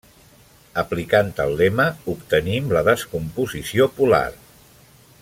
Aplicant el lema obtenim la descomposició polar.